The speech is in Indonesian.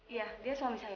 iya dia suami saya